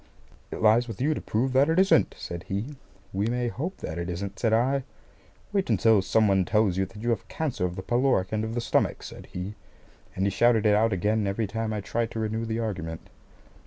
"It lies with you to prove that it isn't," said he. "We may hope that it isn't," said I. "Wait until some one tells you that you have cancer of the pyloric end of the stomach," said he; and he shouted it out again every time I tried to renew the argument.